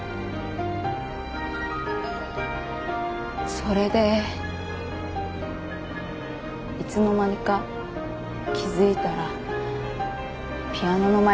それでいつの間にか気付いたらピアノの前にいた。